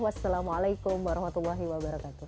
wassalamualaikum warahmatullahi wabarakatuh